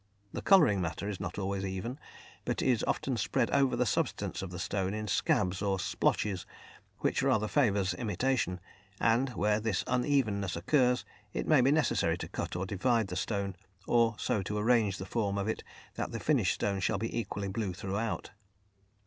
The colouring matter is not always even, but is often spread over the substance of the stone in scabs or "splotches," which rather favours imitation, and, where this unevenness occurs, it may be necessary to cut or divide the stone, or so to arrange the form of it that the finished stone shall be equally blue throughout.